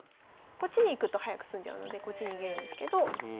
こっちに行くと早く詰んじゃうのでこっち逃げるんですけど。